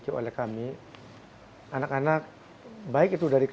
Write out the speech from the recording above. airly juga ingin menyampaikan benar benar nilai kekuatan tersendiri